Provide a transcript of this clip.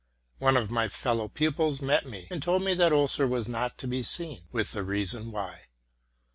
One of my 'fellow pupils met me, and told me that Oeser was not to be seen, with the reason why.